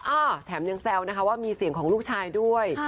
แถมยังแซวนะคะว่ามีเสียงของลูกชายด้วย